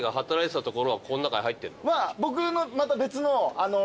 僕のまた別の。